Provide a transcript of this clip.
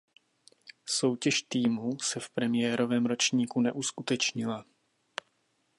Soutěž týmů se v premiérovém ročníku neuskutečnila.